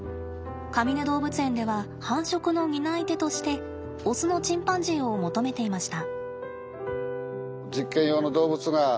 かみね動物園では繁殖の担い手としてオスのチンパンジーを求めていました。